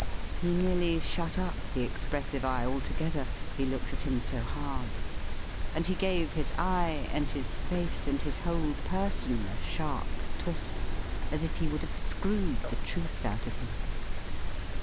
He nearly shut up the expressive eye, altogether; he looked at him so hard. And he gave his eye, and his face, and his whole person, a sharp twist. As if he would have screwed the truth out of him.